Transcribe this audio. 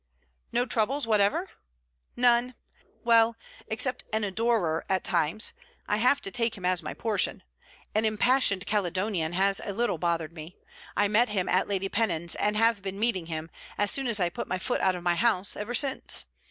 'No troubles whatever?' 'None. Well, except an "adorer" at times. I have to take him as my portion. An impassioned Caledonian has a little bothered me. I met him at Lady Pennon's, and have been meeting him, as soon as I put foot out of my house, ever since.